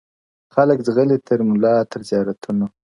خلک ځغلي تر ملا تر زیارتونو-